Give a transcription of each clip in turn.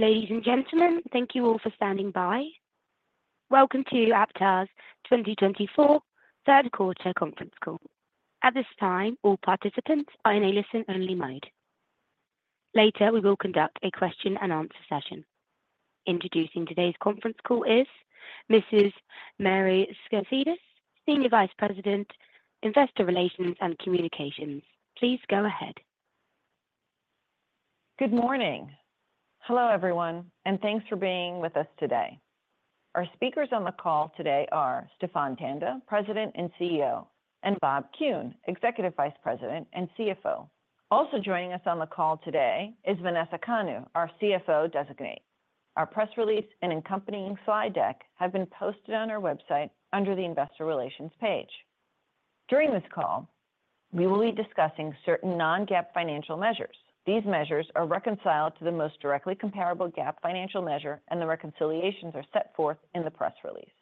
Ladies and gentlemen, thank you all for standing by. Welcome to Aptar's 2024 third quarter conference call. At this time, all participants are in a listen-only mode. Later, we will conduct a question-and-answer session. Introducing today's conference call is Mrs. Mary Skafidas, Senior Vice President, Investor Relations and Communications. Please go ahead. Good morning. Hello, everyone, and thanks for being with us today. Our speakers on the call today are Stephan Tanda, President and CEO, and Bob Kuhn, Executive Vice President and CFO. Also joining us on the call today is Vanessa Kanu, our CFO Designate. Our press release and accompanying slide deck have been posted on our website under the Investor Relations page. During this call, we will be discussing certain non-GAAP financial measures. These measures are reconciled to the most directly comparable GAAP financial measure, and the reconciliations are set forth in the press release.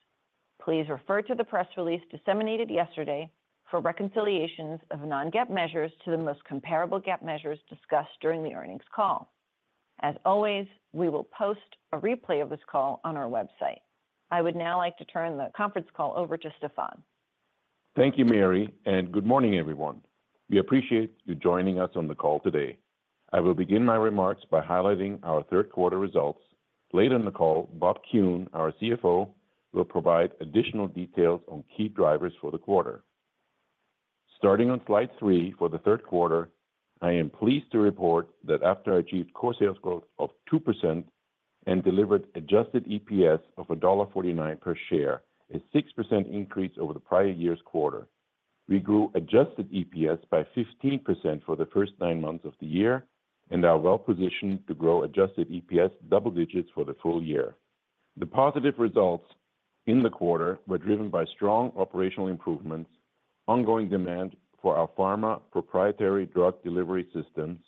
Please refer to the press release disseminated yesterday for reconciliations of non-GAAP measures to the most comparable GAAP measures discussed during the earnings call. As always, we will post a replay of this call on our website. I would now like to turn the conference call over to Stephan. Thank you, Mary, and good morning, everyone. We appreciate you joining us on the call today. I will begin my remarks by highlighting our third quarter results. Later in the call, Bob Kuhn, our CFO, will provide additional details on key drivers for the quarter. Starting on slide three, for the third quarter, I am pleased to report that Aptar achieved core sales growth of 2% and delivered adjusted EPS of $1.49 per share, a 6% increase over the prior year's quarter. We grew adjusted EPS by 15% for the first nine months of the year and are well-positioned to grow adjusted EPS double digits for the full year. The positive results in the quarter were driven by strong operational improvements, ongoing demand for our pharma proprietary drug delivery systems,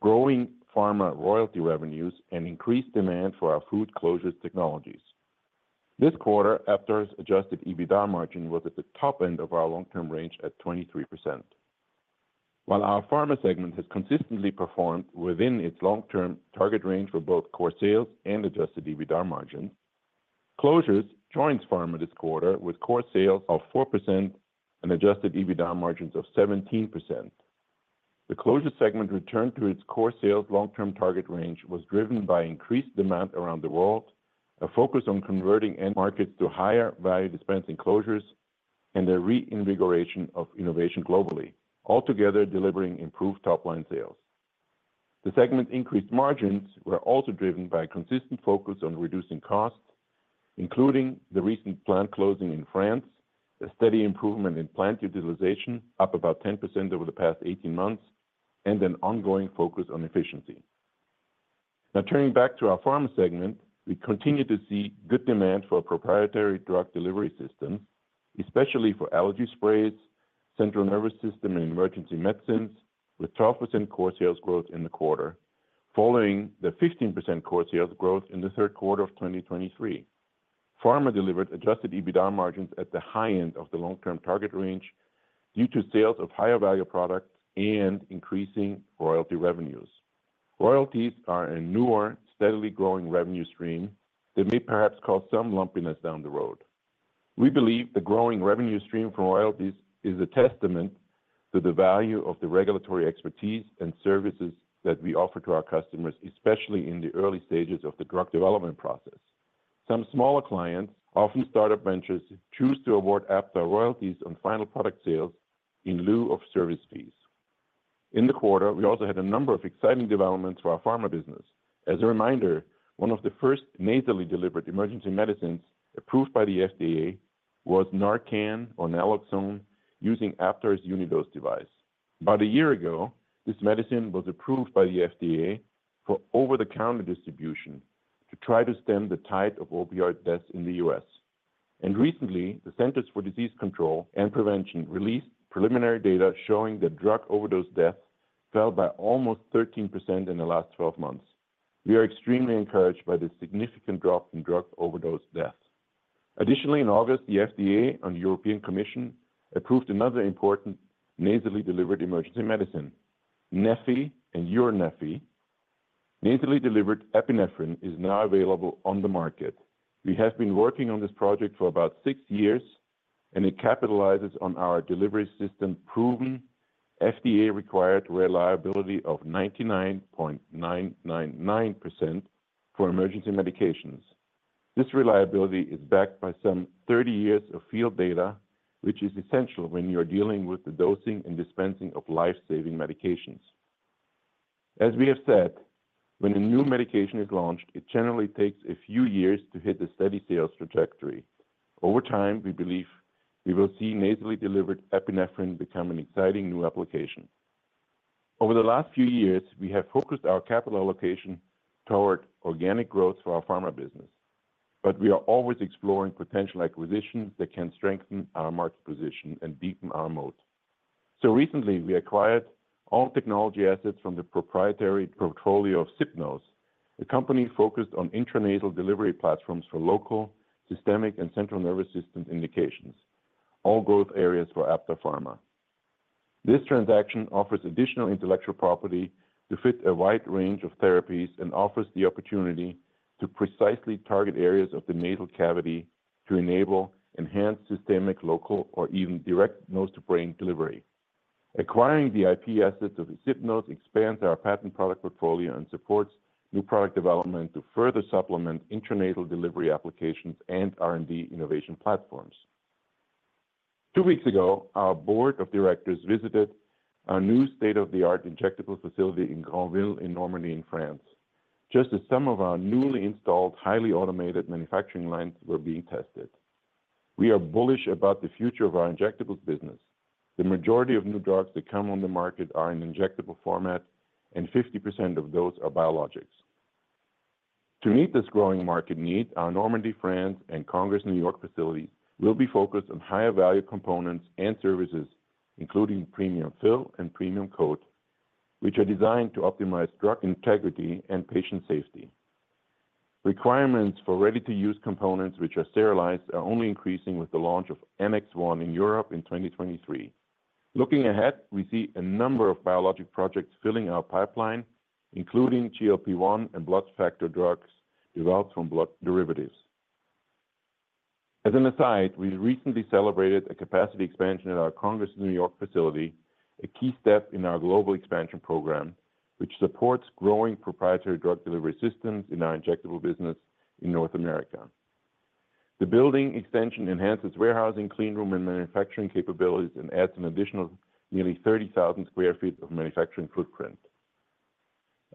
growing pharma royalty revenues, and increased demand for our food closures technologies. This quarter, Aptar's adjusted EBITDA margin was at the top end of our long-term range at 23%. While our pharma segment has consistently performed within its long-term target range for both core sales and adjusted EBITDA margins, closures joins pharma this quarter with core sales of 4% and adjusted EBITDA margins of 17%. The Closures segment returned to its core sales long-term target range was driven by increased demand around the world, a focus on converting end markets to higher value dispensing closures, and the reinvigoration of innovation globally, altogether delivering improved top-line sales. The segment's increased margins were also driven by a consistent focus on reducing costs, including the recent plant closing in France, a steady improvement in plant utilization, up about 10% over the past 18 months, and an ongoing focus on efficiency. Now, turning back to our pharma segment, we continue to see good demand for proprietary drug delivery systems, especially for allergy sprays, central nervous system and emergency medicines, with 12% core sales growth in the quarter, following the 15% core sales growth in the third quarter of 2023. Pharma delivered adjusted EBITDA margins at the high end of the long-term target range due to sales of higher-value products and increasing royalty revenues. Royalties are a newer, steadily growing revenue stream that may perhaps cause some lumpiness down the road. We believe the growing revenue stream from royalties is a testament to the value of the regulatory expertise and services that we offer to our customers, especially in the early stages of the drug development process. Some smaller clients, often startup ventures, choose to award Aptar royalties on final product sales in lieu of service fees. In the quarter, we also had a number of exciting developments for our pharma business. As a reminder, one of the first nasally delivered emergency medicines approved by the FDA was Narcan or naloxone, using Aptar's Unidose device. About a year ago, this medicine was approved by the FDA for over-the-counter distribution to try to stem the tide of opioid deaths in the U.S. And recently, the Centers for Disease Control and Prevention released preliminary data showing that drug overdose deaths fell by almost 13% in the last 12 months. We are extremely encouraged by this significant drop in drug overdose deaths. Additionally, in August, the FDA and European Commission approved another important nasally delivered emergency medicine, neffy and EURneffy. Nasally delivered epinephrine is now available on the market. We have been working on this project for about six years, and it capitalizes on our delivery system, proven FDA-required reliability of 99.999% for emergency medications. This reliability is backed by some thirty years of field data, which is essential when you are dealing with the dosing and dispensing of life-saving medications. As we have said, when a new medication is launched, it generally takes a few years to hit a steady sales trajectory. Over time, we believe we will see nasally delivered epinephrine become an exciting new application. Over the last few years, we have focused our capital allocation toward organic growth for our pharma business, but we are always exploring potential acquisitions that can strengthen our market position and deepen our moat. So recently, we acquired all technology assets from the proprietary portfolio of SipNose, a company focused on intranasal delivery platforms for local, systemic, and central nervous system indications. All growth areas for Aptar pharma. This transaction offers additional intellectual property to fit a wide range of therapies and offers the opportunity to precisely target areas of the nasal cavity to enable enhanced systemic, local, or even direct nose-to-brain delivery. Acquiring the IP assets of SipNose expands our patent product portfolio and supports new product development to further supplement intranasal delivery applications and R&D innovation platforms. Two weeks ago, our board of directors visited our new state-of-the-art injectables facility in Granville, in Normandy, in France, just as some of our newly installed, highly automated manufacturing lines were being tested. We are bullish about the future of our injectables business. The majority of new drugs that come on the market are in injectable format, and 50% of those are biologics. To meet this growing market need, our Normandy, France, and Congers, New York, facilities will be focused on higher value components and services, including PremiumFill and PremiumCoat, which are designed to optimize drug integrity and patient safety. Requirements for ready-to-use components, which are sterilized, are only increasing with the launch of Annex 1 in Europe in 2023. Looking ahead, we see a number of biologic projects filling our pipeline, including GLP-1 and blood factor drugs developed from blood derivatives. As an aside, we recently celebrated a capacity expansion at our Congers, New York, facility, a key step in our global expansion program, which supports growing proprietary drug delivery systems in our injectable business in North America. The building extension enhances warehousing, clean room, and manufacturing capabilities and adds an additional nearly 30,000 sq ft of manufacturing footprint.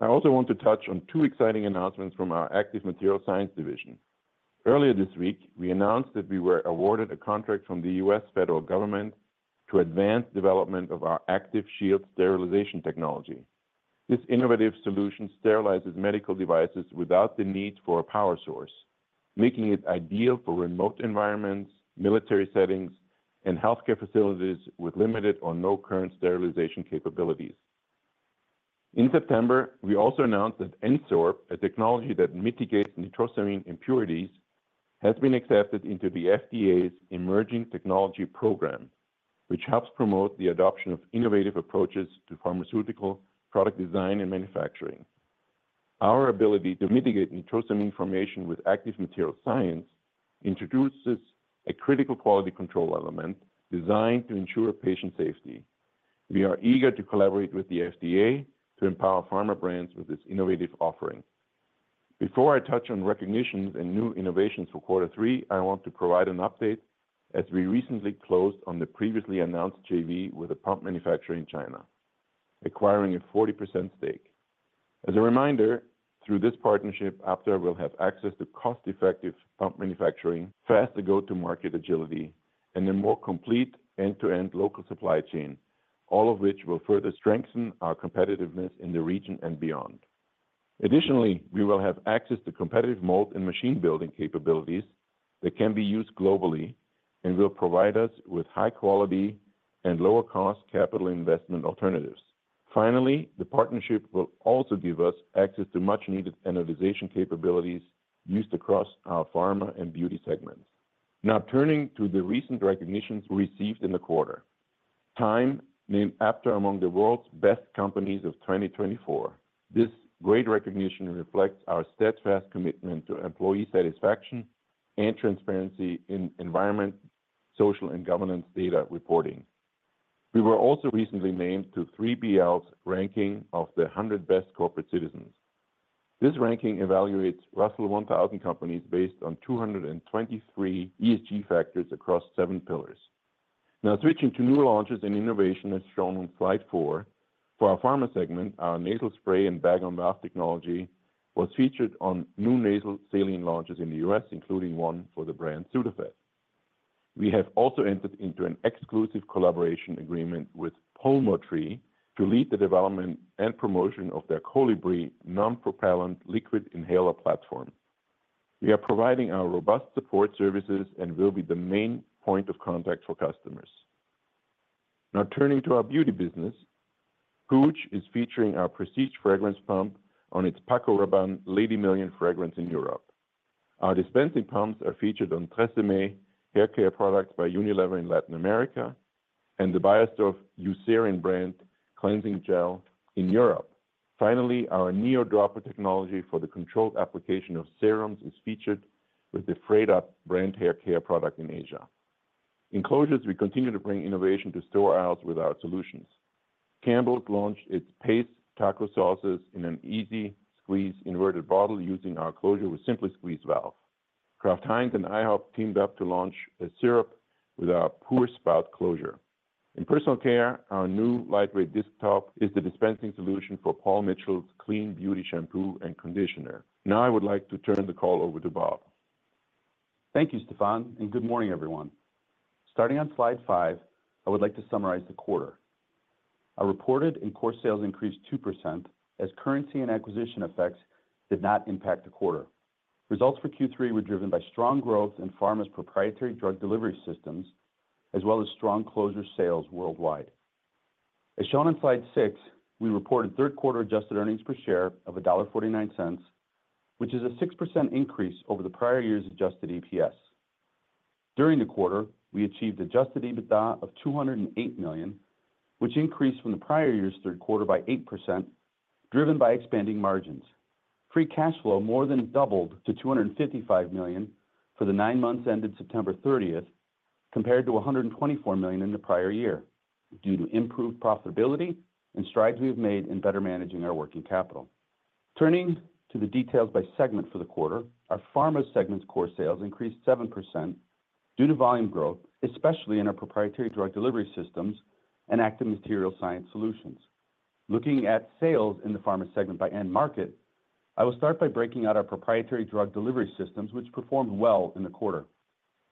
I also want to touch on two exciting announcements from our Active Material Science division. Earlier this week, we announced that we were awarded a contract from the U.S. Federal Government to advance development of our ActivShield sterilization technology. This innovative solution sterilizes medical devices without the need for a power source, making it ideal for remote environments, military settings, and healthcare facilities with limited or no current sterilization capabilities. In September, we also announced that N-Sorb, a technology that mitigates nitrosamine impurities, has been accepted into the FDA's Emerging Technology Program, which helps promote the adoption of innovative approaches to pharmaceutical product design and manufacturing. Our ability to mitigate nitrosamine formation with Active Material Science introduces a critical quality control element designed to ensure patient safety. We are eager to collaborate with the FDA to empower pharma brands with this innovative offering. Before I touch on recognitions and new innovations for quarter three, I want to provide an update as we recently closed on the previously announced JV with a pump manufacturer in China, acquiring a 40% stake. As a reminder, through this partnership, Aptar will have access to cost-effective pump manufacturing, faster go-to-market agility, and a more complete end-to-end local supply chain, all of which will further strengthen our competitiveness in the region and beyond. Additionally, we will have access to competitive mold and machine building capabilities that can be used globally and will provide us with high quality and lower cost capital investment alternatives. Finally, the partnership will also give us access to much-needed anodization capabilities used across our pharma and beauty segments. Now, turning to the recent recognitions received in the quarter. Time named Aptar among the world's best companies of 2024. This great recognition reflects our steadfast commitment to employee satisfaction and transparency in environmental, social, and governance data reporting. We were also recently named to 3BL's ranking of the 100 Best Corporate Citizens. This ranking evaluates Russell 1000 companies based on 223 ESG factors across seven pillars. Now, switching to new launches and innovation, as shown on slide four. For our pharma segment, our nasal spray and bag-on-valve technology was featured on new nasal saline launches in the US, including one for the brand Sudafed. We have also entered into an exclusive collaboration agreement with Pulmotree to lead the development and promotion of their Kolibri Non-Propellant Liquid Inhaler platform. We are providing our robust support services and will be the main point of contact for customers. Now, turning to our beauty business. Puig is featuring our prestige fragrance pump on its Paco Rabanne Lady Million fragrance in Europe. Our dispensing pumps are featured on TRESemmé hair care products by Unilever in Latin America and the Beiersdorf Eucerin brand cleansing gel in Europe. Finally, our NeoDropper technology for the controlled application of serums is featured with the Freda brand hair care product in Asia. In closures, we continue to bring innovation to store aisles with our solutions. Campbell launched its Pace taco sauces in an easy-squeeze inverted bottle using our closure with SimpliSqueeze valve. Kraft Heinz and IHOP teamed up to launch a syrup with our pour spout closure. In personal care, our new lightweight disc top is the dispensing solution for Paul Mitchell's Clean Beauty shampoo and conditioner. Now, I would like to turn the call over to Bob. Thank you, Stephan, and good morning, everyone. Starting on slide five, I would like to summarize the quarter. Our reported and core sales increased 2% as currency and acquisition effects did not impact the quarter. Results for Q3 were driven by strong growth in pharma's proprietary drug delivery systems, as well as strong closure sales worldwide. As shown on slide six, we reported third quarter adjusted earnings per share of $1.49, which is a 6% increase over the prior year's adjusted EPS. During the quarter, we achieved adjusted EBITDA of $208 million, which increased from the prior year's third quarter by 8%, driven by expanding margins. Free cash flow more than doubled to $255 million for the nine months ended September 30th, compared to $124 million in the prior year, due to improved profitability and strides we have made in better managing our working capital. Turning to the details by segment for the quarter, our pharma segment's core sales increased 7% due to volume growth, especially in our proprietary drug delivery systems and active material science solutions. Looking at sales in the pharma segment by end market, I will start by breaking out our proprietary drug delivery systems, which performed well in the quarter.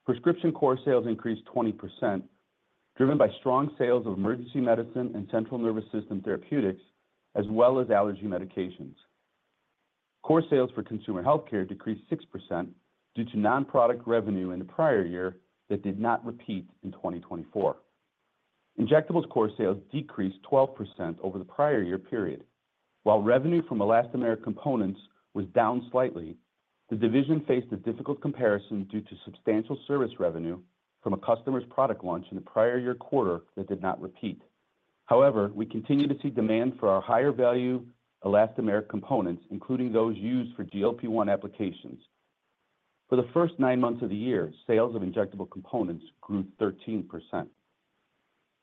Prescription core sales increased 20%, driven by strong sales of emergency medicine and central nervous system therapeutics, as well as allergy medications. Core sales for consumer healthcare decreased 6% due to non-product revenue in the prior year that did not repeat in 2024. Injectables core sales decreased 12% over the prior year period. While revenue from elastomeric components was down slightly, the division faced a difficult comparison due to substantial service revenue from a customer's product launch in the prior year quarter that did not repeat. However, we continue to see demand for our higher-value elastomeric components, including those used for GLP-1 applications. For the first nine months of the year, sales of injectable components grew 13%.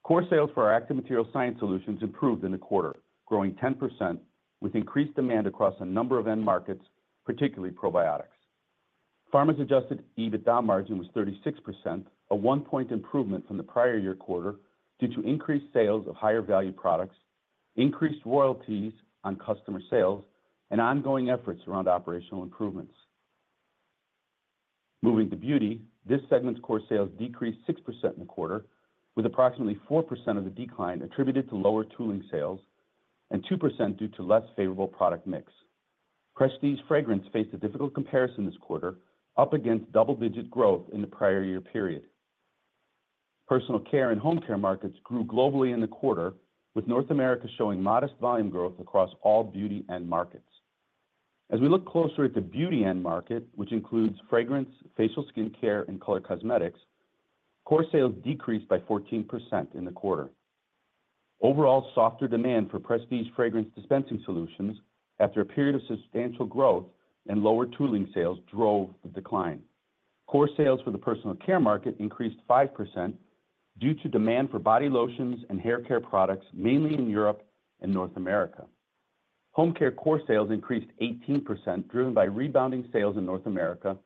Core sales for our Active Material Science solutions improved in the quarter, growing 10%, with increased demand across a number of end markets, particularly probiotics. Pharma's adjusted EBITDA margin was 36%, a one-point improvement from the prior year quarter, due to increased sales of higher-value products, increased royalties on customer sales, and ongoing efforts around operational improvements. Moving to beauty, this segment's core sales decreased 6% in the quarter, with approximately 4% of the decline attributed to lower tooling sales and 2% due to less favorable product mix. Prestige fragrance faced a difficult comparison this quarter, up against double-digit growth in the prior year period. Personal care and home care markets grew globally in the quarter, with North America showing modest volume growth across all beauty end markets. As we look closer at the beauty end market, which includes fragrance, facial skincare, and color cosmetics, core sales decreased by 14% in the quarter. Overall, softer demand for prestige fragrance dispensing solutions after a period of substantial growth and lower tooling sales drove the decline. Core sales for the personal care market increased 5% due to demand for body lotions and hair care products, mainly in Europe and North America. Home care core sales increased 18%, driven by rebounding sales in North America,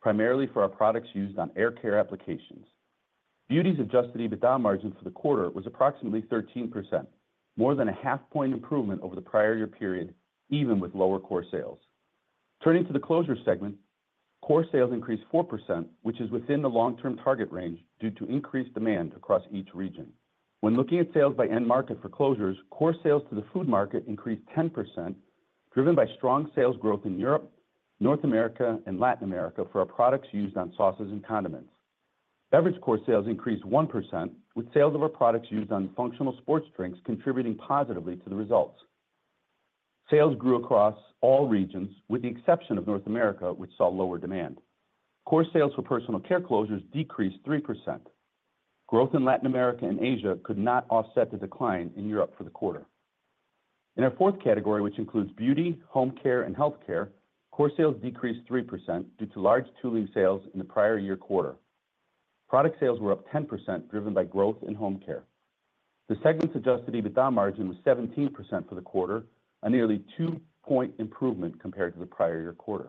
primarily for our products used on air care applications. Beauty's adjusted EBITDA margin for the quarter was approximately 13%, more than a half point improvement over the prior year period, even with lower core sales. Turning to the closure segment, core sales increased 4%, which is within the long-term target range, due to increased demand across each region. When looking at sales by end market for closures, core sales to the food market increased 10%, driven by strong sales growth in Europe, North America, and Latin America for our products used on sauces and condiments. Beverage core sales increased 1%, with sales of our products used on functional sports drinks contributing positively to the results. Sales grew across all regions, with the exception of North America, which saw lower demand. Core sales for personal care closures decreased 3%. Growth in Latin America and Asia could not offset the decline in Europe for the quarter. In our fourth category, which includes beauty, home care, and healthcare, core sales decreased 3% due to large tooling sales in the prior year quarter. Product sales were up 10%, driven by growth in home care. The segment's adjusted EBITDA margin was 17% for the quarter, a nearly two-point improvement compared to the prior year quarter.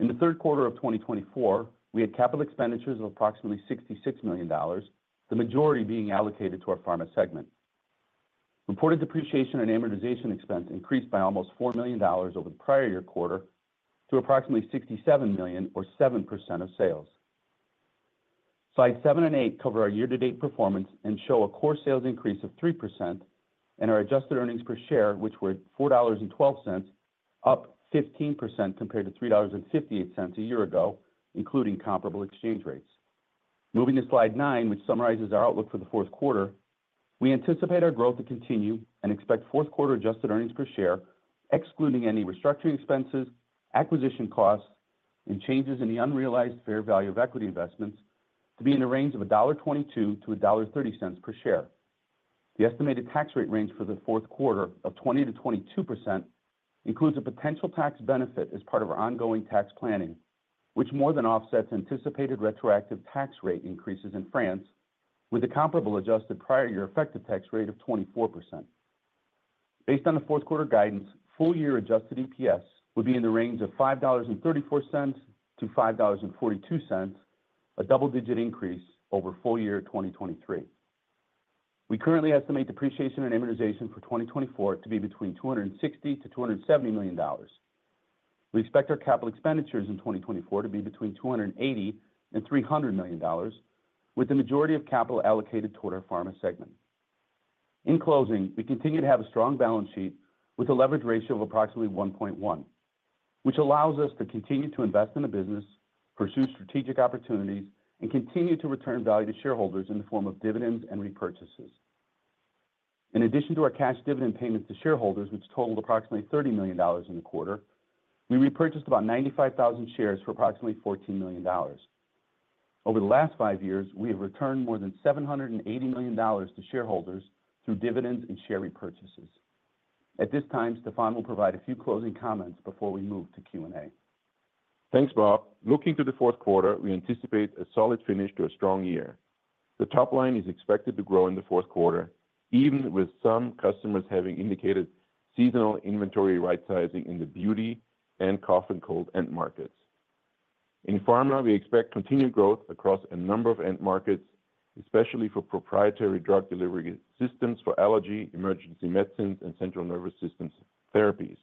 In the third quarter of 2024, we had capital expenditures of approximately $66 million, the majority being allocated to our pharma segment. Reported depreciation and amortization expense increased by almost $4 million over the prior year quarter to approximately $67 million or 7% of sales. Slides seven and eight cover our year-to-date performance and show a core sales increase of 3% and our adjusted earnings per share, which were $4.12, up 15% compared to $3.58 a year ago, including comparable exchange rates. Moving to slide nine, which summarizes our outlook for the fourth quarter, we anticipate our growth to continue and expect fourth quarter adjusted earnings per share, excluding any restructuring expenses, acquisition costs, and changes in the unrealized fair value of equity investments, to be in the range of $1.22-$1.30 per share. The estimated tax rate range for the fourth quarter of 20%-22% includes a potential tax benefit as part of our ongoing tax planning, which more than offsets anticipated retroactive tax rate increases in France, with a comparable adjusted prior year effective tax rate of 24%. Based on the fourth quarter guidance, full year adjusted EPS will be in the range of $5.34-$5.42, a double-digit increase over full year 2023. We currently estimate depreciation and amortization for 2024 to be between $260 million and $270 million. We expect our capital expenditures in 2024 to be between $280 million and $300 million, with the majority of capital allocated toward our pharma segment. In closing, we continue to have a strong balance sheet with a leverage ratio of approximately 1.1, which allows us to continue to invest in the business, pursue strategic opportunities, and continue to return value to shareholders in the form of dividends and repurchases. In addition to our cash dividend payments to shareholders, which totaled approximately $30 million in the quarter, we repurchased about 95,000 shares for approximately $14 million. Over the last five years, we have returned more than $780 million to shareholders through dividends and share repurchases. At this time, Stephan will provide a few closing comments before we move to Q&A. Thanks, Bob. Looking to the fourth quarter, we anticipate a solid finish to a strong year. The top line is expected to grow in the fourth quarter, even with some customers having indicated seasonal inventory rightsizing in the beauty and cough and cold end markets.mIn pharma, we expect continued growth across a number of end markets, especially for proprietary drug delivery systems for allergy, emergency medicines, and central nervous systems therapies.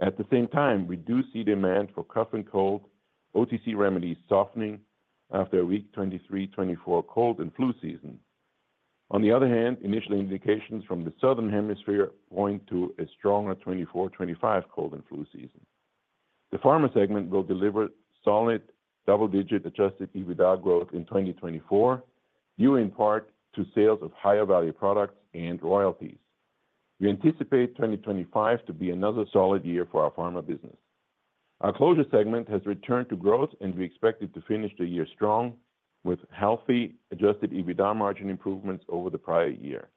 At the same time, we do see demand for cough and cold OTC remedies softening after a weak 2023, 2024 cold and flu season. On the other hand, initial indications from the Southern Hemisphere point to a stronger 2024, 2025 cold and flu season. The pharma segment will deliver solid double-digit adjusted EBITDA growth in 2024, due in part to sales of higher value products and royalties. We anticipate 2025 to be another solid year for our pharma business. Our closure segment has returned to growth, and we expect it to finish the year strong, with healthy adjusted EBITDA margin improvements over the prior year.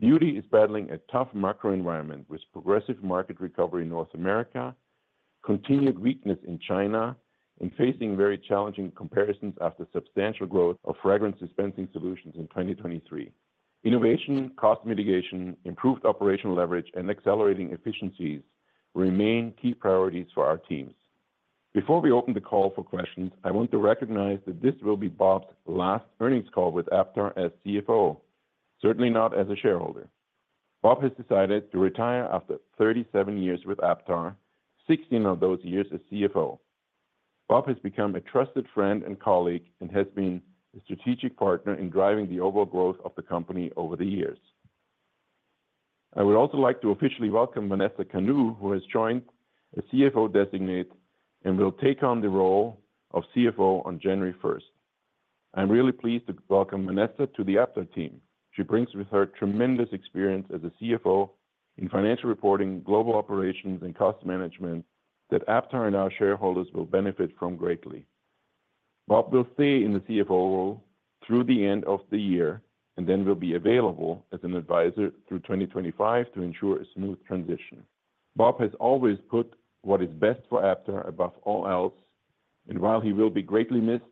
Beauty is battling a tough macro environment with progressive market recovery in North America, continued weakness in China, and facing very challenging comparisons after substantial growth of fragrance dispensing solutions in 2023. Innovation, cost mitigation, improved operational leverage, and accelerating efficiencies remain key priorities for our teams. Before we open the call for questions, I want to recognize that this will be Bob's last earnings call with Aptar as CFO, certainly not as a shareholder. Bob has decided to retire after 37 years with Aptar, 16 of those years as CFO. Bob has become a trusted friend and colleague and has been a strategic partner in driving the overall growth of the company over the years. I would also like to officially welcome Vanessa Kanu, who has joined as CFO designate and will take on the role of CFO on January first. I'm really pleased to welcome Vanessa to the Aptar team. She brings with her tremendous experience as a CFO in financial reporting, global operations, and cost management that Aptar and our shareholders will benefit from greatly. Bob will stay in the CFO role through the end of the year, and then will be available as an advisor through 2025 to ensure a smooth transition. Bob has always put what is best for Aptar above all else, and while he will be greatly missed,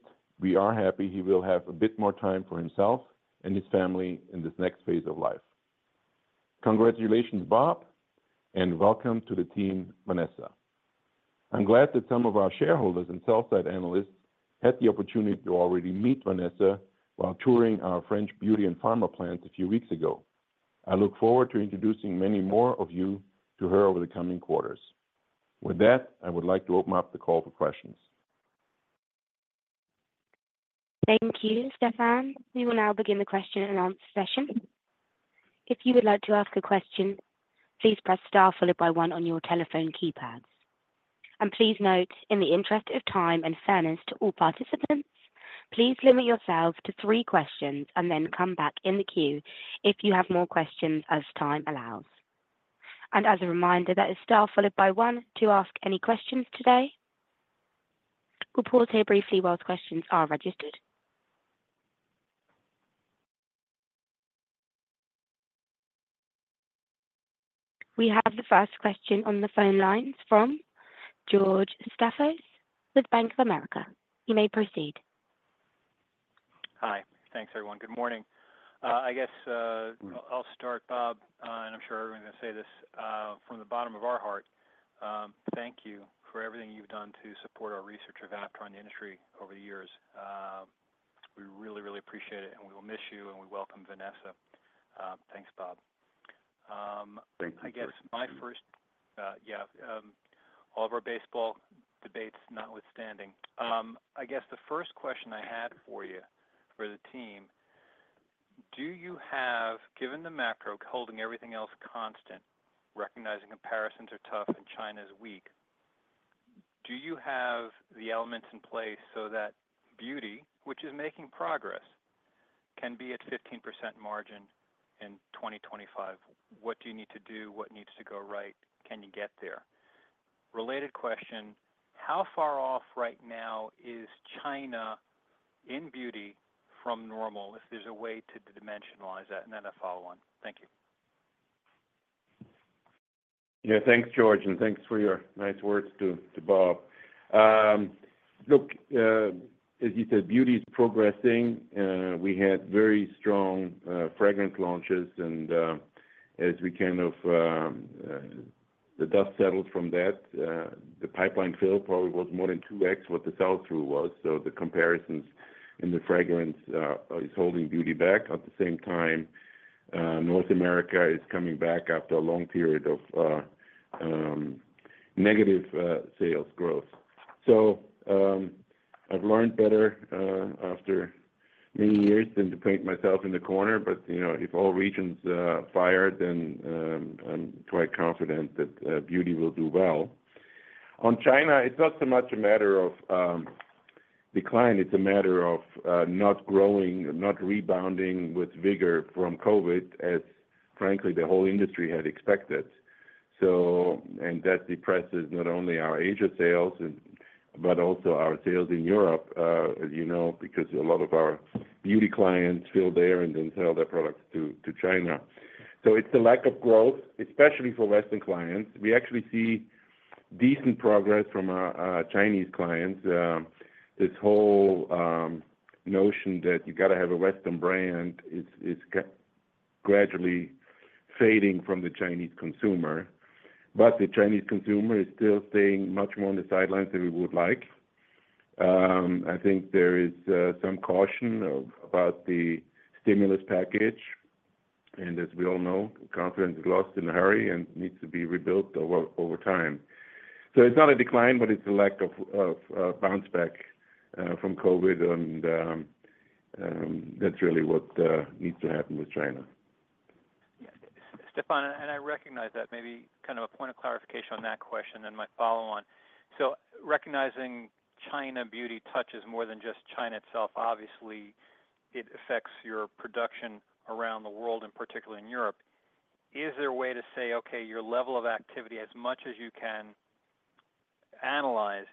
we are happy he will have a bit more time for himself and his family in this next phase of life. Congratulations, Bob, and welcome to the team, Vanessa. I'm glad that some of our shareholders and sell-side analysts had the opportunity to already meet Vanessa while touring our French beauty and pharma plants a few weeks ago. I look forward to introducing many more of you to her over the coming quarters. With that, I would like to open up the call for questions. Thank you, Stephan. We will now begin the question and answer session. If you would like to ask a question, please press star followed by one on your telephone keypad. And please note, in the interest of time and fairness to all participants, please limit yourselves to three questions and then come back in the queue if you have more questions as time allows. And as a reminder, that is star followed by one to ask any questions today. We'll pause here briefly while questions are registered. We have the first question on the phone lines from George Staphos with Bank of America. You may proceed. Hi. Thanks, everyone. Good morning. I guess I'll start, Bob, and I'm sure everyone is going to say this, from the bottom of our heart, thank you for everything you've done to support our research of Aptar in the industry over the years. We really, really appreciate it, and we will miss you, and we welcome Vanessa. Thanks, Bob. Thank you, George. I guess my first. Yeah, all of our baseball debates notwithstanding. I guess the first question I had for you, for the team, do you have, given the macro, holding everything else constant, recognizing comparisons are tough and China is weak, do you have the elements in place so that beauty, which is making progress, can be at 15% margin in 2025? What do you need to do? What needs to go right? Can you get there? Related question. How far off right now is China in beauty from normal, if there's a way to dimensionalize that? And then a follow on. Thank you. Yeah. Thanks, George, and thanks for your nice words to, to Bob. Look, as you said, beauty is progressing. We had very strong fragrance launches, and, as we kind of, the dust settles from that, the pipeline fill probably was more than 2x what the sell-through was. So the comparisons in the fragrance is holding beauty back. At the same time, North America is coming back after a long period of negative sales growth. So, I've learned better, after many years than to paint myself in the corner, but, you know, if all regions fire, then, I'm quite confident that beauty will do well. On China, it's not so much a matter of decline, it's a matter of not growing, not rebounding with vigor from COVID as frankly, the whole industry had expected. So and that depresses not only our Asia sales, but also our sales in Europe, as you know, because a lot of our beauty clients feel there and then sell their products to China. So it's a lack of growth, especially for Western clients. We actually see decent progress from our Chinese clients. This whole notion that you got to have a Western brand is gradually fading from the Chinese consumer. But the Chinese consumer is still staying much more on the sidelines than we would like. I think there is some caution about the stimulus package, and as we all know, confidence is lost in a hurry and needs to be rebuilt over time, so it's not a decline, but it's a lack of bounce back from COVID, and that's really what needs to happen with China. Yeah. Stephan, and I recognize that maybe kind of a point of clarification on that question, then my follow on. So recognizing China beauty touches more than just China itself, obviously it affects your production around the world, and particularly in Europe. Is there a way to say, okay, your level of activity, as much as you can analyze,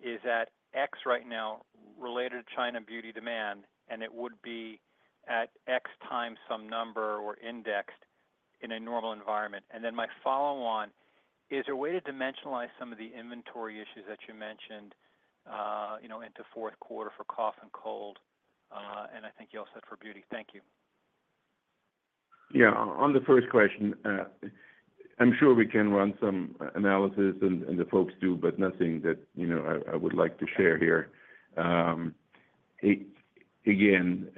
is at X right now related to China beauty demand, and it would be at X times some number or indexed in a normal environment? And then my follow on, is there a way to dimensionalize some of the inventory issues that you mentioned, you know, into fourth quarter for cough and cold? And I think you all set for beauty. Thank you. Yeah. On the first question, I'm sure we can run some analysis and the folks do, but nothing that, you know, I would like to share here. Again,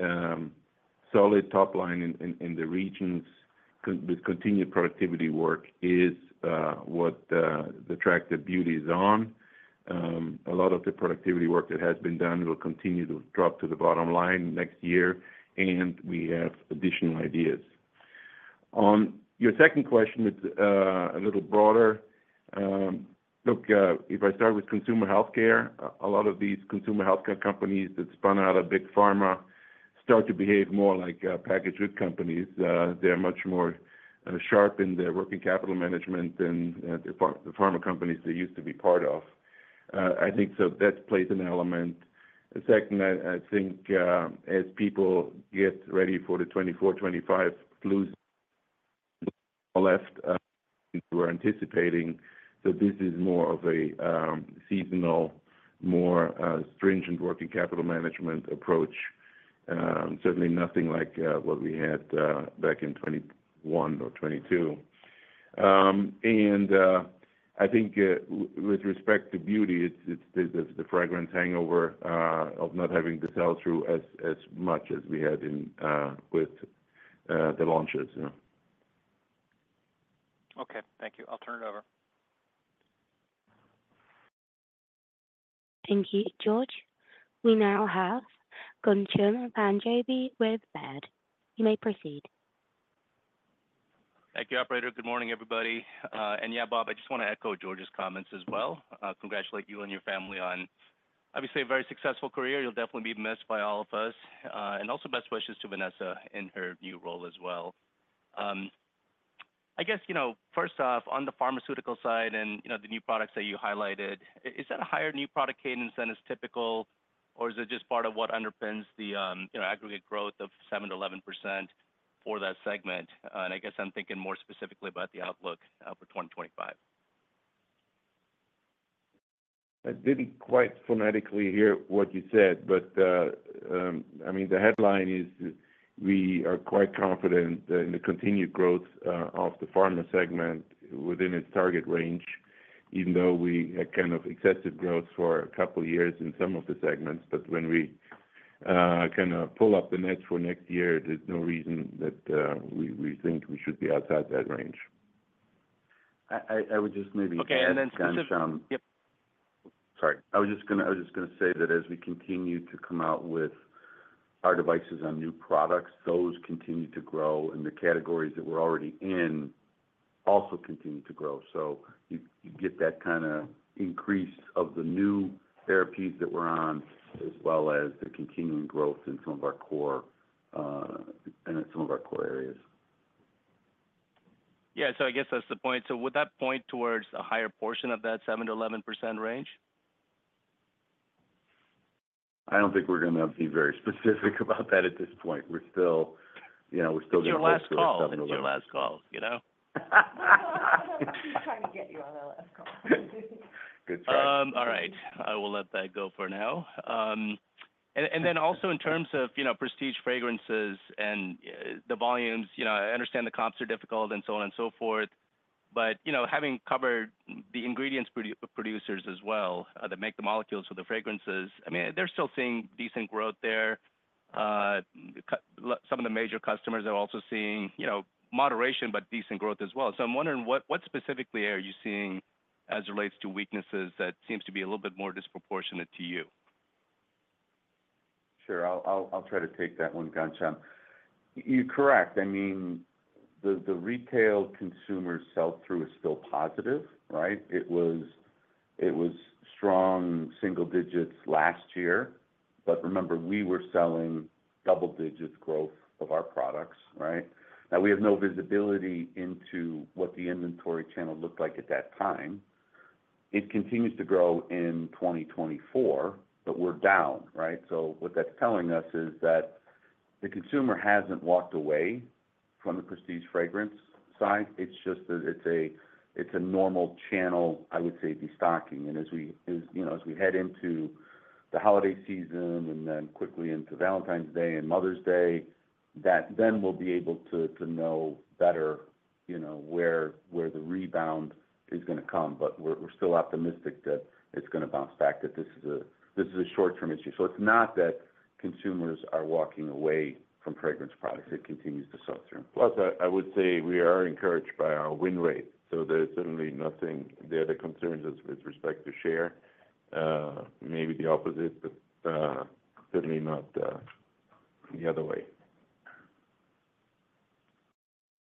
solid top line in the regions with continued productivity work is what the track that beauty is on. A lot of the productivity work that has been done will continue to drop to the bottom line next year, and we have additional ideas. On your second question, it's a little broader. Look, if I start with consumer healthcare, a lot of these consumer healthcare companies that spun out of big pharma start to behave more like packaged goods companies. They're much more sharp in their working capital management than the pharma companies they used to be part of. I think so that plays an element. The second, I think, as people get ready for the 2024-2025 flu build, we're anticipating that this is more of a seasonal, more stringent working capital management approach. Certainly nothing like what we had back in 2021 or 2022. And I think with respect to beauty, it's the fragrance hangover of not having the sell-through as much as we had with the launches. Yeah. Okay, thank you. I'll turn it over. Thank you, George. We now have Ghansham Panjabi with Baird. You may proceed. Thank you, operator. Good morning, everybody. And yeah, Bob, I just want to echo George's comments as well. Congratulate you and your family on, obviously, a very successful career. You'll definitely be missed by all of us, and also best wishes to Vanessa in her new role as well. I guess, you know, first off, on the pharmaceutical side and, you know, the new products that you highlighted, is that a higher new product cadence than is typical, or is it just part of what underpins the, you know, aggregate growth of 7%-11% for that segment? And I guess I'm thinking more specifically about the outlook, for 2025. I didn't quite phonetically hear what you said, but I mean, the headline is we are quite confident in the continued growth of the pharma segment within its target range, even though we had kind of excessive growth for a couple of years in some of the segments. But when we kind of pull up the nets for next year, there's no reason that we think we should be outside that range. I would just maybe add Ghansham- Okay, and then specific. Yep. Sorry. I was just gonna say that as we continue to come out with our devices on new products, those continue to grow, and the categories that we're already in also continue to grow. So you get that kinda increase of the new therapies that we're on, as well as the continuing growth in some of our core, and in some of our core areas. Yeah, so I guess that's the point. So would that point towards a higher portion of that 7%-11% range? I don't think we're gonna be very specific about that at this point. We're still, you know, gonna- It's your last call. It's your last call, you know? We're trying to get you on the last call. Good try. All right. I will let that go for now, and then also in terms of, you know, prestige fragrances and the volumes, you know, I understand the comps are difficult and so on and so forth, but you know, having covered the ingredients producers as well that make the molecules for the fragrances, I mean, they're still seeing decent growth there. Some of the major customers are also seeing, you know, moderation, but decent growth as well. So I'm wondering, what specifically are you seeing as it relates to weaknesses that seems to be a little bit more disproportionate to you? Sure, I'll try to take that one, Ghansham. You're correct. I mean, the retail consumer sell-through is still positive, right? It was strong single digits last year, but remember, we were selling double-digit growth of our products, right? Now, we have no visibility into what the inventory channel looked like at that time. It continues to grow in 2024, but we're down, right? So what that's telling us is that the consumer hasn't walked away from the prestige fragrance side. It's just that it's a normal channel, I would say, destocking. And as we, you know, as we head into the holiday season and then quickly into Valentine's Day and Mother's Day, we'll be able to know better, you know, where the rebound is gonna come. But we're still optimistic that it's gonna bounce back, that this is a short-term issue. So it's not that consumers are walking away from fragrance products. It continues to sell through. Plus, I would say we are encouraged by our win rate, so there's certainly nothing there that concerns us with respect to share. Maybe the opposite, but certainly not the other way.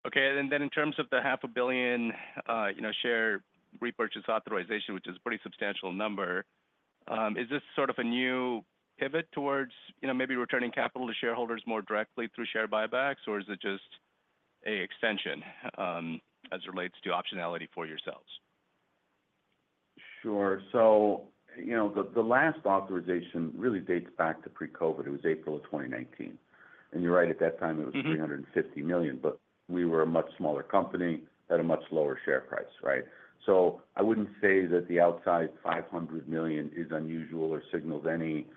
Okay. And then in terms of the $500 million, you know, share repurchase authorization, which is a pretty substantial number, is this sort of a new pivot towards, you know, maybe returning capital to shareholders more directly through share buybacks, or is it just an extension, as it relates to optionality for yourselves? Sure. So, you know, the last authorization really dates back to pre-COVID. It was April of 2019, and you're right, at that time it was $350 million, but we were a much smaller company at a much lower share price, right? So I wouldn't say that the outsized $500 million is unusual or signals any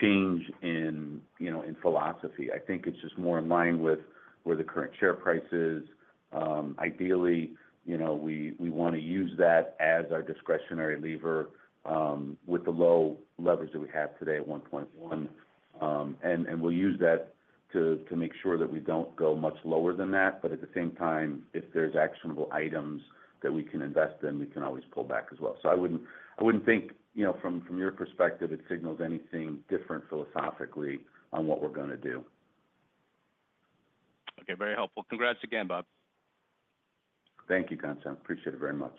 change in, you know, in philosophy. I think it's just more in line with where the current share price is. Ideally, you know, we want to use that as our discretionary lever, with the low leverage that we have today at 1.1. And we'll use that to make sure that we don't go much lower than that, but at the same time, if there's actionable items that we can invest in, we can always pull back as well. So I wouldn't think, you know, from your perspective, it signals anything different philosophically on what we're gonna do. Okay. Very helpful. Congrats again, Bob. Thank you, Ghansham. Appreciate it very much.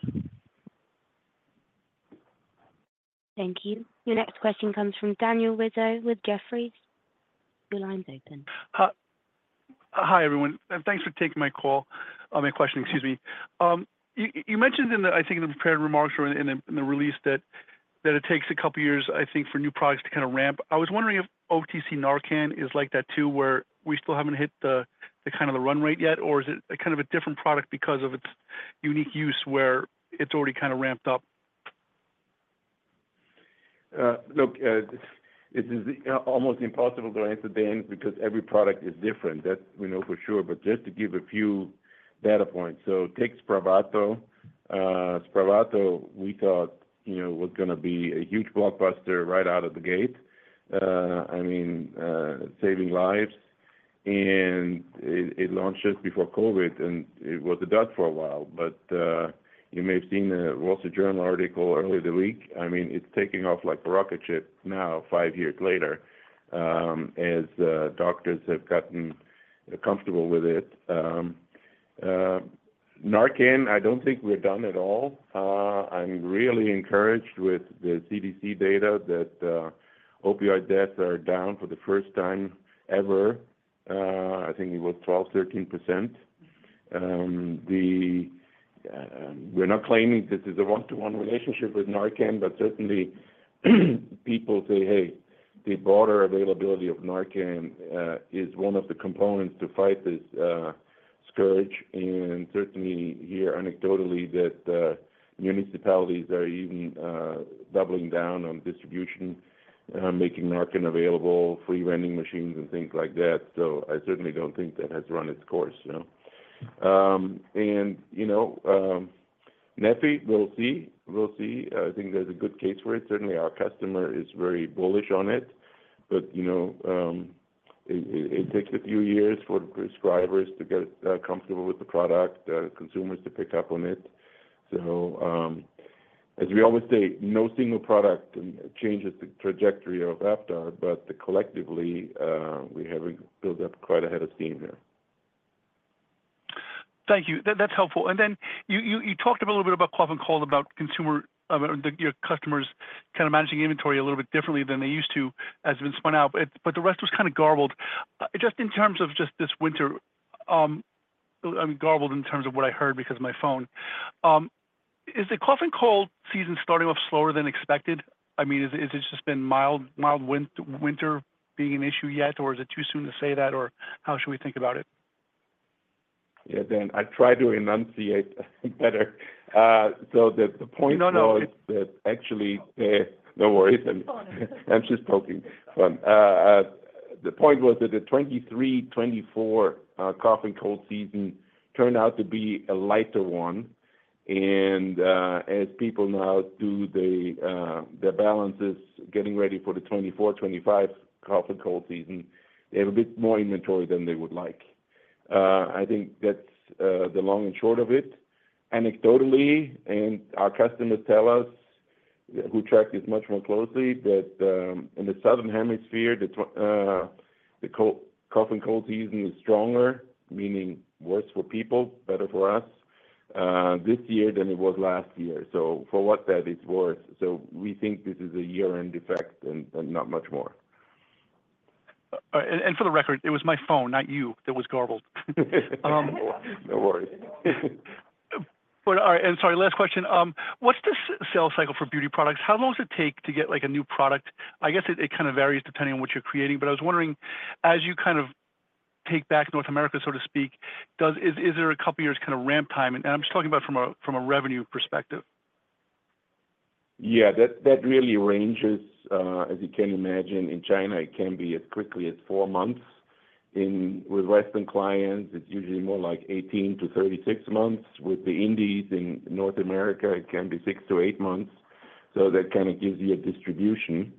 Thank you. Your next question comes from Daniel Rizzo with Jefferies. Your line's open. Hi, everyone, and thanks for taking my call, my question. Excuse me. You mentioned in the prepared remarks or in the release that it takes a couple of years, I think, for new products to kind of ramp. I was wondering if OTC Narcan is like that, too, where we still haven't hit the kind of run rate yet, or is it kind of a different product because of its unique use, where it's already kind of ramped up? Look, it is almost impossible to answer, Dan, because every product is different. That we know for sure. But just to give a few data points. So take Spravato. Spravato, we thought, you know, was gonna be a huge blockbuster right out of the gate, I mean, saving lives, and it launched just before COVID, and it was a dud for a while. But you may have seen a Wall Street Journal article earlier the week. I mean, it's taking off like a rocket ship now, five years later, as doctors have gotten comfortable with it. Narcan, I don't think we're done at all. I'm really encouraged with the CDC data that opioid deaths are down for the first time ever. I think it was 12%-13%. We're not claiming this is a one-to-one relationship with Narcan, but certainly, people say, "Hey, the broader availability of Narcan is one of the components to fight this scourge." And certainly we hear anecdotally that municipalities are even doubling down on distribution, making Narcan available, free vending machines and things like that. So I certainly don't think that has run its course, you know? And, you know, neffy, we'll see. We'll see. I think there's a good case for it. Certainly, our customer is very bullish on it, but, you know, it takes a few years for prescribers to get comfortable with the product, consumers to pick up on it. As we always say, no single product changes the trajectory of Aptar, but collectively, we have built up quite a head of steam here. Thank you. That's helpful. And then you talked a little bit about cough and cold, about consumer, your customers kind of managing inventory a little bit differently than they used to, as has been spun out, but the rest was kind of garbled. Just in terms of just this winter, garbled in terms of what I heard because of my phone. Is the cough and cold season starting off slower than expected? I mean, is it, has just been mild winter being an issue yet, or is it too soon to say that, or how should we think about it? Yeah, Dan, I try to enunciate better. So the point was that actually, no worries. I'm just joking. The point was that the 2023-2024 cough and cold season turned out to be a lighter one, and as people now do their balances, getting ready for the 2024-2025 cough and cold season, they have a bit more inventory than they would like. I think that's the long and short of it. Anecdotally, our customers tell us, who track this much more closely, that in the Southern Hemisphere, the cough and cold season is stronger, meaning worse for people, better for us, this year than it was last year. So for what that is worth, we think this is a year-end effect and not much more. For the record, it was my phone, not you, that was garbled. No worries. But all right, and sorry, last question. What's the sales cycle for beauty products? How long does it take to get, like, a new product? I guess it kind of varies depending on what you're creating, but I was wondering, as you kind of take back North America, so to speak, is there a couple years kind of ramp time? And I'm just talking about from a revenue perspective. Yeah, that really ranges as you can imagine. In China, it can be as quickly as four months. With Western clients, it's usually more like 18 to 36 months. With the indies in North America, it can be six to eight months, so that kind of gives you a distribution.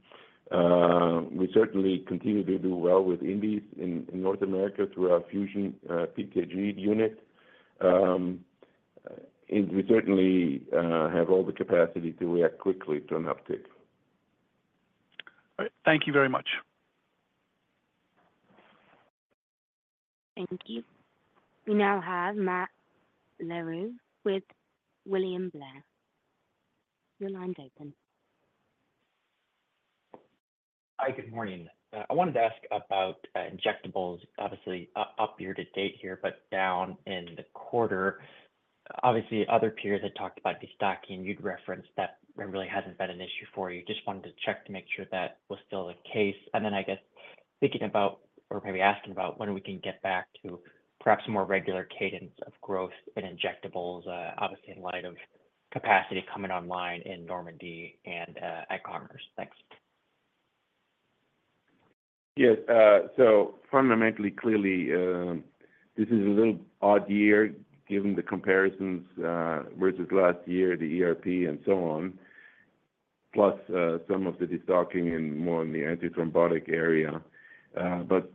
We certainly continue to do well with indies in North America through our FusionPKG unit. And we certainly have all the capacity to react quickly to an uptick. All right. Thank you very much. Thank you. We now have Matt Larew with William Blair. Your line's open. Hi, good morning. I wanted to ask about injectables. Obviously, up, up year to date here, but down in the quarter. Obviously, other peers had talked about destocking, you'd referenced that it really hasn't been an issue for you. Just wanted to check to make sure that was still the case. And then, I guess, thinking about or maybe asking about when we can get back to perhaps a more regular cadence of growth in injectables, obviously in light of capacity coming online in Normandy and at Congers. Thanks. Yes. So fundamentally, clearly, this is a little odd year given the comparisons versus last year, the ERP and so on, plus some of the destocking and more in the antithrombotic area. But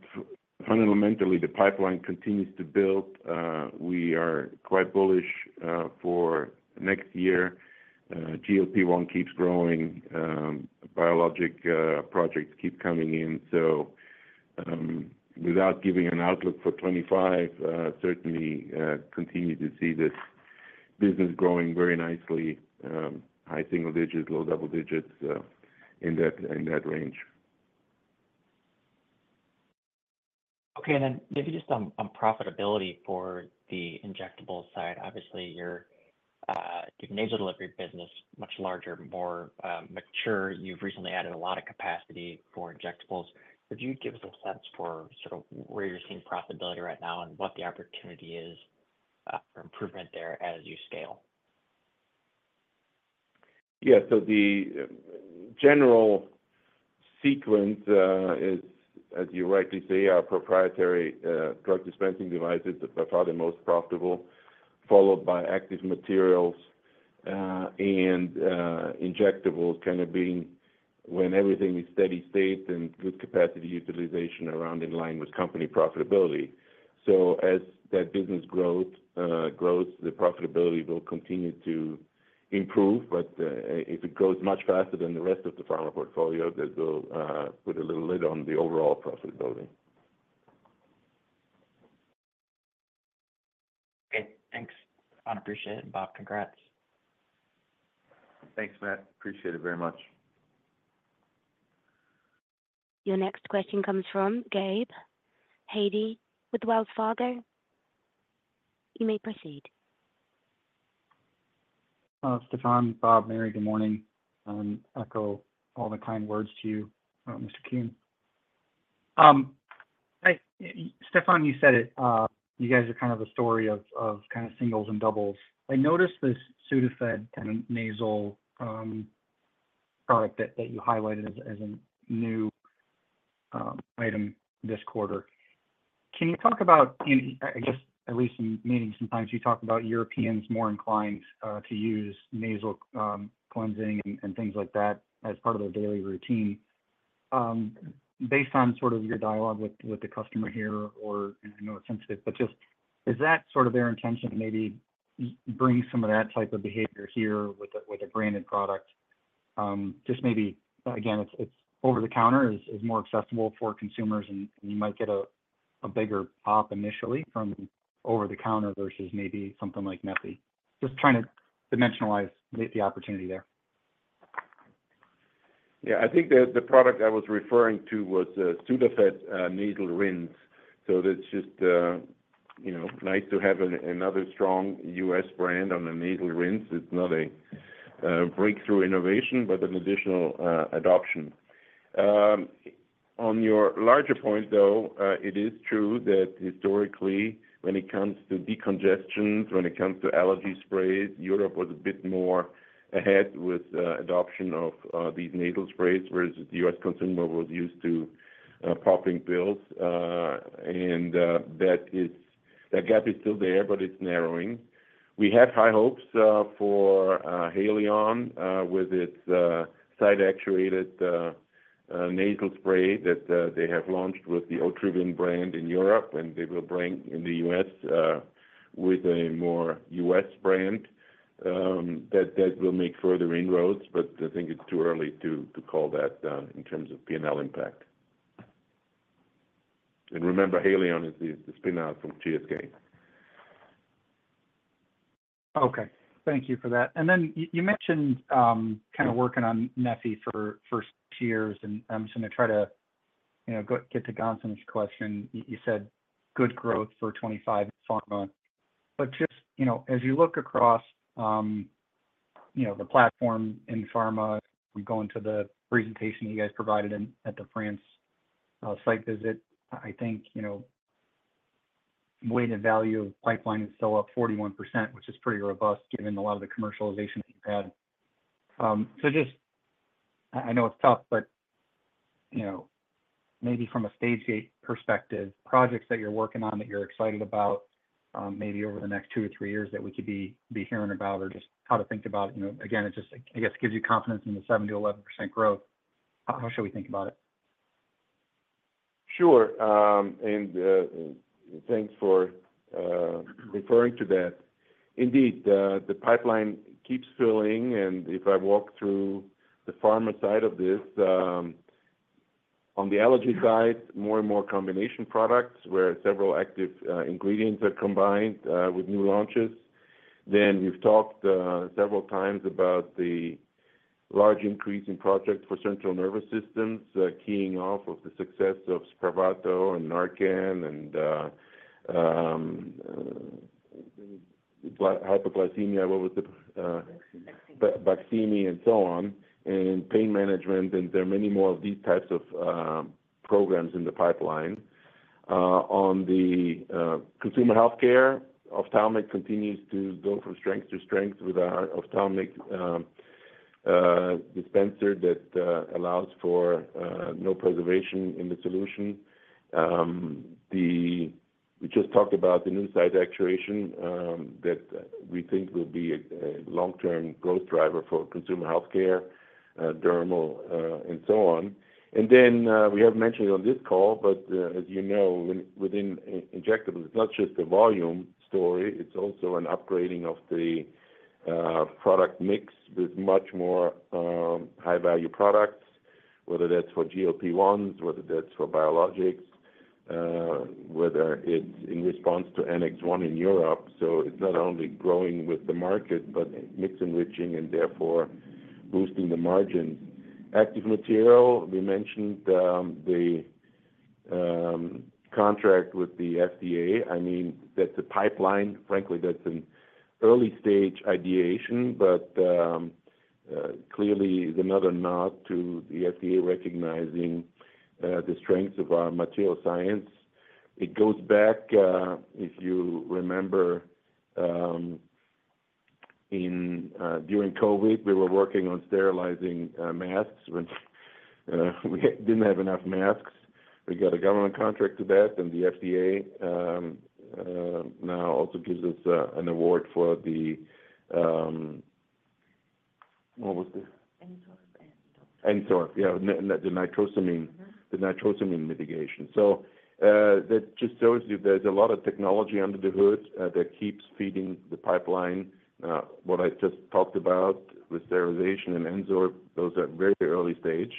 fundamentally, the pipeline continues to build. We are quite bullish for next year. GLP-1 keeps growing, biologics projects keep coming in. So, without giving an outlook for 2025, certainly continue to see this business growing very nicely, high single digits, low double digits, in that range. Okay. And then maybe just on profitability for the injectables side. Obviously, your nasal delivery business, much larger, more mature. You've recently added a lot of capacity for injectables. Could you give us a sense for sort of where you're seeing profitability right now and what the opportunity is for improvement there as you scale? Yeah. So the general sequence, is, as you rightly say, our proprietary drug delivery systems are by far the most profitable, followed by active materials, and injectables kind of being when everything is steady state and good capacity utilization around in line with company profitability. So as that business grows, the profitability will continue to improve, but, if it grows much faster than the rest of the pharma portfolio, that will, put a little lid on the overall profitability. Okay, thanks. I appreciate it. Bob, congrats. Thanks, Matt. Appreciate it very much. Your next question comes from Gabe Hajde with Wells Fargo. You may proceed. Stephan, Bob, Mary, good morning. Echo all the kind words to you, Mr. Kuhn. Stephan, you said it, you guys are kind of a story of kind of singles and doubles. I noticed this Sudafed kind of nasal product that you highlighted as a new item this quarter. Can you talk about any? I guess, at least in meetings, sometimes you talk about Europeans more inclined to use nasal cleansing and things like that as part of their daily routine. Based on sort of your dialogue with the customer here, or I know it's sensitive, but just is that sort of their intention to maybe bring some of that type of behavior here with a branded product? Just maybe, again, it's over the counter, is more accessible for consumers, and you might get a bigger pop initially from over the counter versus maybe something like Neti. Just trying to dimensionalize the opportunity there. Yeah. I think the product I was referring to was the Sudafed nasal rinse. So that's just you know nice to have another strong U.S. brand on the nasal rinse. It's not a breakthrough innovation, but an additional adoption. On your larger point, though, it is true that historically, when it comes to decongestants, when it comes to allergy sprays, Europe was a bit more ahead with adoption of these nasal sprays, whereas the U.S. consumer was used to popping pills, and that gap is still there, but it's narrowing. We have high hopes for Haleon with its side actuated. Nasal spray that they have launched with the Otrivin brand in Europe, and they will bring in the U.S. with a more U.S. brand that will make further inroads. But I think it's too early to call that in terms of P&L impact. And remember, Haleon is the spin out from GSK. Okay, thank you for that. And then you mentioned kind of working on neffy for first two years, and I'm just gonna try to, you know, go get to Ghansham's question. You said good growth for 2025 pharma. But just, you know, as you look across, you know, the platform in pharma, and going to the presentation you guys provided in at the France site visit, I think, you know, weighted value of pipeline is still up 41%, which is pretty robust given a lot of the commercialization that you've had. So just, I know it's tough, but, you know, maybe from a stage gate perspective, projects that you're working on that you're excited about, maybe over the next two or three years that we could be hearing about or just how to think about, you know again, it just, I guess, gives you confidence in the 7%-11% growth. How should we think about it? Sure. And, thanks for referring to that. Indeed, the pipeline keeps filling, and if I walk through the pharma side of this, on the allergy side, more and more combination products where several active ingredients are combined with new launches. Then we've talked several times about the large increase in projects for central nervous systems, keying off of the success of Spravato and Narcan and, hypoglycemia, what was the, Baqsimi, and so on, and pain management, and there are many more of these types of programs in the pipeline. On the consumer healthcare, ophthalmic continues to go from strength to strength with our ophthalmic dispenser that allows for no preservation in the solution. We just talked about the new side actuation that we think will be a long-term growth driver for consumer healthcare, dermal, and so on. We haven't mentioned it on this call, but as you know, within injectables, it's not just a volume story, it's also an upgrading of the product mix with much more high-value products, whether that's for GLP-1s, whether that's for biologics, whether it's in response to Annex 1 in Europe. So it's not only growing with the market, but mix enriching and therefore boosting the margins. Active Material, we mentioned, the contract with the FDA. I mean, that's a pipeline. Frankly, that's an early stage ideation, but clearly is another nod to the FDA recognizing the strengths of our Material Science. It goes back, if you remember, in during COVID, we were working on sterilizing masks when we didn't have enough masks. We got a government contract to that, and the FDA now also gives us an award for the, what was that? N-Sorb. N-Sorb, yeah, and the nitrosamine mitigation. So, that just shows you there's a lot of technology under the hood that keeps feeding the pipeline. What I just talked about with sterilization and N-Sorb, those are very early stage.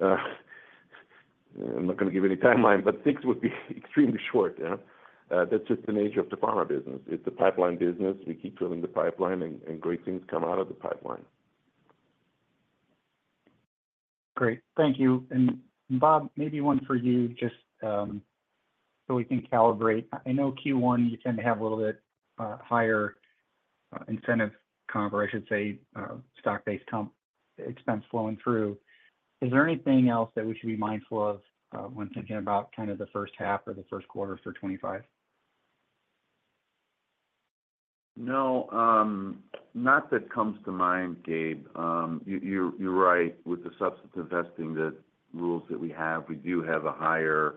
I'm not going to give you any timeline, but things would be extremely short, yeah. That's just the nature of the pharma business. It's a pipeline business. We keep filling the pipeline and great things come out of the pipeline. Great. Thank you. And Bob, maybe one for you, just, so we can calibrate. I know Q1, you tend to have a little bit higher incentive comp, or I should say, stock-based comp expense flowing through. Is there anything else that we should be mindful of, when thinking about kind of the first half or the first quarter for 2025? No, not that comes to mind, Gabe. You're right. With the substantive vesting, the rules that we have, we do have a higher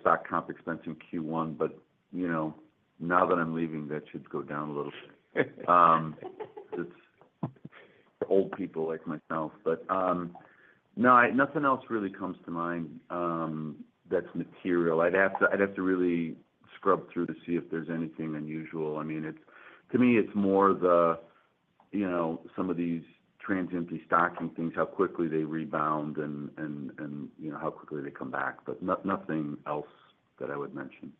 stock comp expense in Q1, but, you know, now that I'm leaving, that should go down a little bit. It's old people like myself. But, no, nothing else really comes to mind, that's material. I'd have to really scrub through to see if there's anything unusual. I mean, to me, it's more the, you know, some of these transient destocking things, how quickly they rebound and, and, you know, how quickly they come back, but nothing else that I would mention.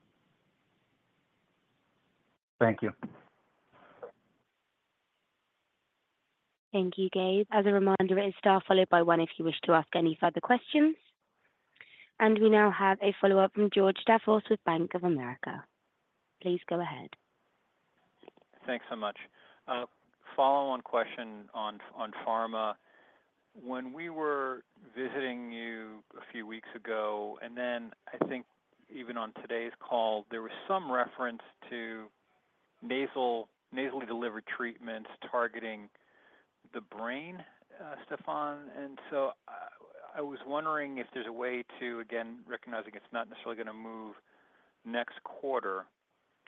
Thank you. Thank you, Gabe. As a reminder, it is star followed by one, if you wish to ask any further questions. And we now have a follow-up from George Staphos with Bank of America. Please go ahead. Thanks so much. Follow-on question on pharma. When we were visiting you a few weeks ago, and then I think even on today's call, there was some reference to nasally delivered treatments targeting the brain, Stephan. And so I was wondering if there's a way to, again, recognizing it's not necessarily going to move next quarter,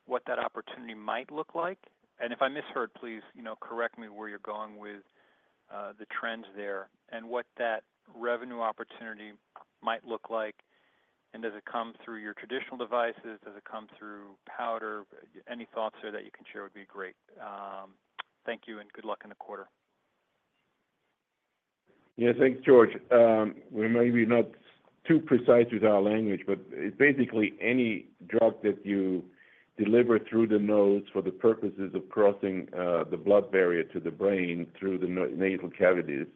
what that opportunity might look like? And if I misheard, please, you know, correct me where you're going with the trends there and what that revenue opportunity might look like, and does it come through your traditional devices? Does it come through powder? Any thoughts there that you can share would be great. Thank you, and good luck in the quarter. Yeah. Thanks, George. We're maybe not too precise with our language, but it's basically any drug that you deliver through the nose for the purposes of crossing the blood barrier to the brain through the nasal cavities.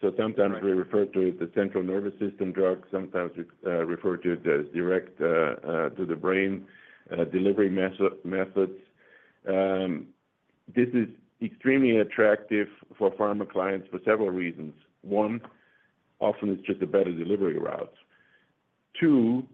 So sometimes we refer to it as the central nervous system drug, sometimes we refer to it as direct to the brain delivery methods. This is extremely attractive for pharma clients for several reasons. One, often it's just a better delivery route. Two,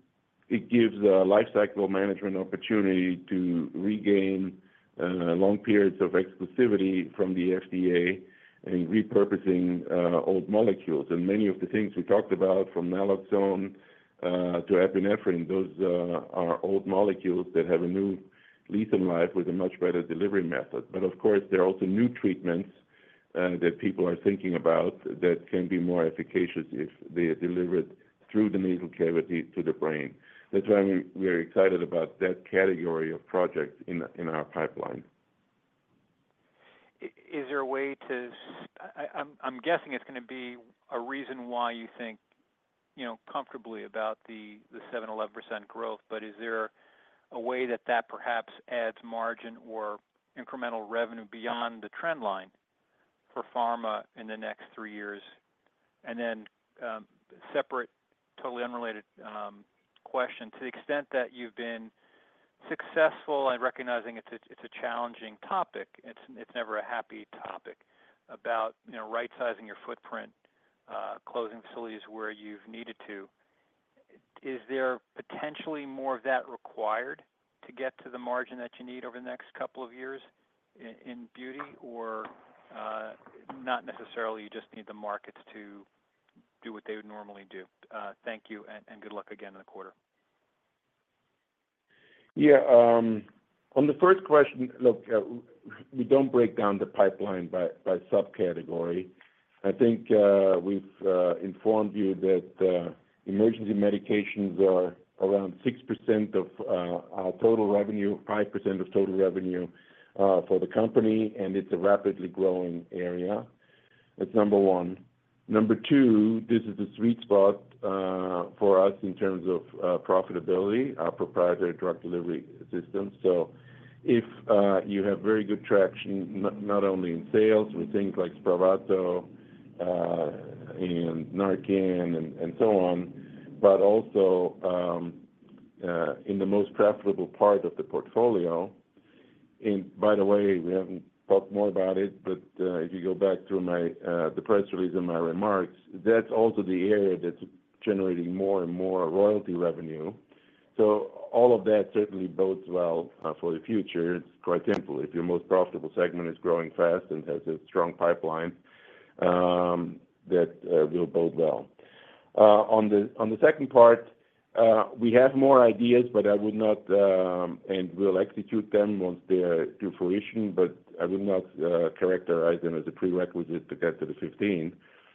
it gives a lifecycle management opportunity to regain long periods of exclusivity from the FDA in repurposing old molecules. And many of the things we talked about, from naloxone to epinephrine, those are old molecules that have a new lease on life with a much better delivery method. But of course, there are also new treatments that people are thinking about that can be more efficacious if they are delivered through the nasal cavity to the brain. That's why we're excited about that category of projects in our pipeline. Is there a way to, I'm guessing it's gonna be a reason why you think, you know, comfortably about the 7%-11% growth, but is there a way that that perhaps adds margin or incremental revenue beyond the trend line for pharma in the next three years? And then, separate, totally unrelated question. To the extent that you've been successful in recognizing it's a challenging topic, it's never a happy topic, about, you know, right-sizing your footprint, closing facilities where you've needed to, is there potentially more of that required to get to the margin that you need over the next couple of years in beauty, or not necessarily, you just need the markets to do what they would normally do? Thank you, and good luck again in the quarter. Yeah, on the first question, look, we don't break down the pipeline by subcategory. I think, we've informed you that emergency medications are around 6% of our total revenue, 5% of total revenue for the company, and it's a rapidly growing area. That's number one. Number two, this is the sweet spot for us in terms of profitability, our proprietary drug delivery system. So if you have very good traction, not only in sales with things like Spravato and Narcan and so on, but also in the most profitable part of the portfolio. And by the way, we haven't talked more about it, but if you go back to my the press release and my remarks, that's also the area that's generating more and more royalty revenue. So all of that certainly bodes well for the future. It's quite simple. If your most profitable segment is growing fast and has a strong pipeline, that will bode well. On the second part, we have more ideas, but I would not, and we'll execute them once they are to fruition, but I would not characterize them as a prerequisite to get to the fifteen.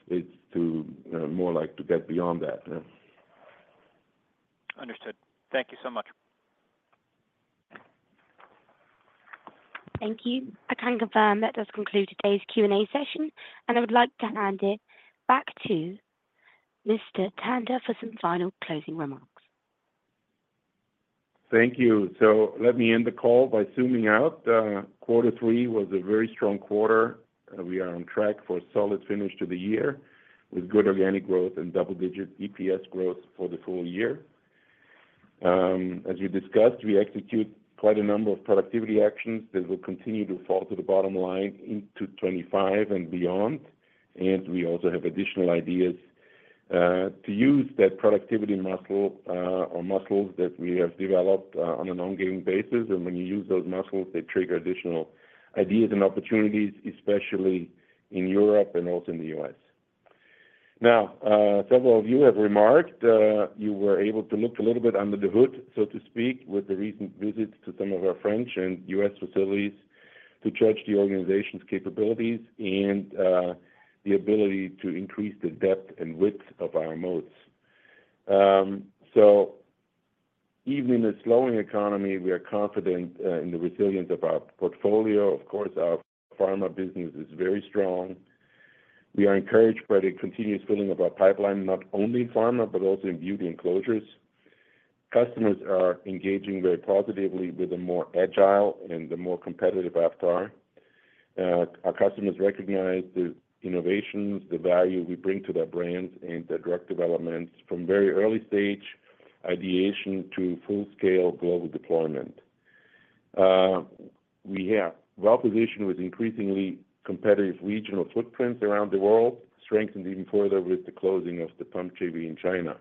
It's to more like to get beyond that. Understood. Thank you so much. Thank you. I can confirm that does conclude today's Q&A session, and I would like to hand it back to Mr. Tanda for some final closing remarks. Thank you. So let me end the call by zooming out. Quarter three was a very strong quarter. We are on track for a solid finish to the year, with good organic growth and double-digit EPS growth for the full year. As we discussed, we execute quite a number of productivity actions that will continue to fall to the bottom line into 2025 and beyond, and we also have additional ideas to use that productivity muscle or muscles that we have developed on an ongoing basis. And when you use those muscles, they trigger additional ideas and opportunities, especially in Europe and also in the U.S. Now, several of you have remarked, you were able to look a little bit under the hood, so to speak, with the recent visits to some of our French and U.S. facilities, to judge the organization's capabilities and, the ability to increase the depth and width of our moats. So even in a slowing economy, we are confident, in the resilience of our portfolio. Of course, our pharma business is very strong. We are encouraged by the continuous filling of our pipeline, not only in pharma, but also in beauty and closures. Customers are engaging very positively with a more agile and a more competitive Aptar. Our customers recognize the innovations, the value we bring to their brands, and the drug developments from very early stage ideation to full-scale global deployment. We are well-positioned with increasingly competitive regional footprints around the world, strengthened even further with the closing of the Shanghai facility in China,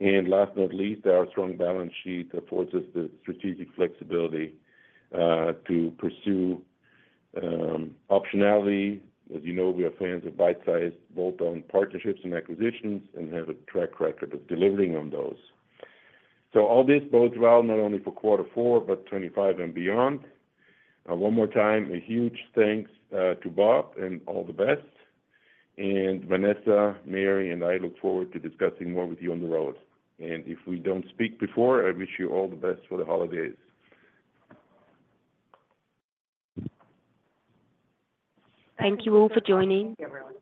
and last but not least, our strong balance sheet affords us the strategic flexibility to pursue optionality. As you know, we are fans of bite-sized bolt-on partnerships and acquisitions and have a track record of delivering on those, so all this bodes well, not only for quarter four, but twenty-five and beyond. One more time, a huge thanks to Bob and all the best. And Vanessa, Mary, and I look forward to discussing more with you on the road, and if we don't speak before, I wish you all the best for the holidays. Thank you all for joining. Thank you, everyone.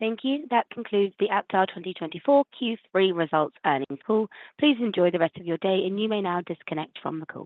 Thank you. That concludes the Aptar 2024 Q3 results earnings call. Please enjoy the rest of your day, and you may now disconnect from the call.